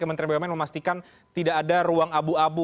kementerian bumn memastikan tidak ada ruang abu abu